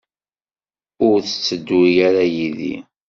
Ur tetteddu ara yid-i?